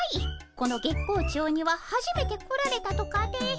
この月光町にははじめて来られたとかで。